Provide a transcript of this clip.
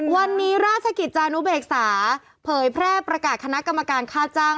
วันนี้ราชกิจจานุเบกษาเผยแพร่ประกาศคณะกรรมการค่าจ้าง